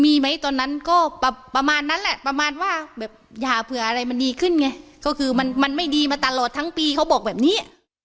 มีไหมตอนนั้นก็ประมาณนั้นแหละประมาณว่าแบบอย่าเผื่ออะไรมันดีขึ้นไงก็คือมันมันไม่ดีมาตลอดทั้งปีเขาบอกแบบนี้